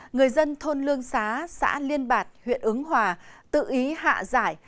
người dân thôn lương xá xã liên bạc huyện ứng hòa tự ý hạ giải